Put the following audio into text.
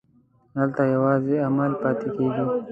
هلته یوازې عمل پاتې کېږي.